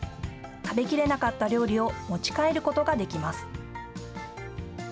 食べきれなかった料理を持ち帰ることができます。